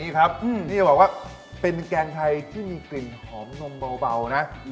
นี่ครับนี่จะบอกว่าเป็นแกงไทยที่มีกลิ่นหอมนมเบานะ